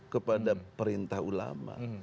kepada perintah ulama